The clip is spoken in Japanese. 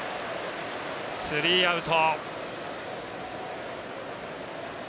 スリーアウト。